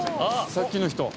さっきの人。